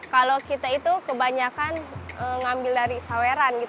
kalau kita itu kebanyakan ngambil dari saweran